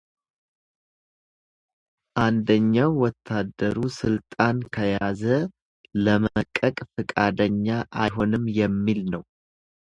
አንደኛው ወታደሩ ስልጣን ከያዘ ለመልቀቅ ፈቃደኛ አይሆንም የሚል ነው።